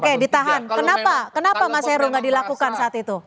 oke ditahan kenapa kenapa mas heru nggak dilakukan saat itu